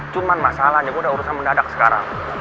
cuman masalahnya gue udah urusan mendadak sekarang